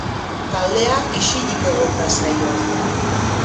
Taldea isilik egon da saioan.